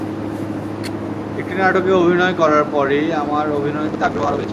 একটি নাটকে অভিনয় করার পরই আমার অভিনয়ের প্রতি আগ্রহ আরও বেড়েছে।